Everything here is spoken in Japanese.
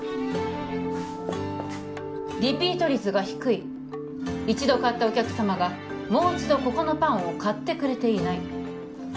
リピート率が低い一度買ったお客様がもう一度ここのパンを買ってくれていない